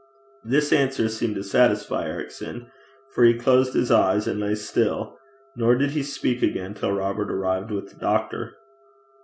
This answer seemed to satisfy Ericson, for he closed his eyes and lay still; nor did he speak again till Robert arrived with the doctor.